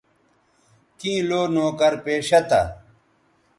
کیں لو نوکر پیشہ تھا